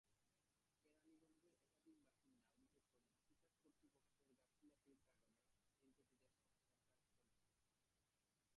কেরানীগঞ্জের একাধিক বাসিন্দা অভিযোগ করেন, তিতাস কর্তৃপক্ষের গাফিলতির কারণে ধীরগতিতে সংস্কারকাজ চলছে।